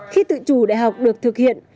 khi tự chủ đại học được thực hiện